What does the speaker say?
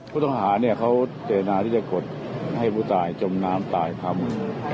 ผู้ต้องหาเขาเจตนาที่จะกดให้ผู้ตายจมน้ำตายทำ